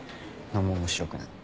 何も面白くない。